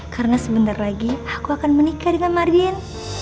karena sebentar lagi aku akan menikah dengan mardian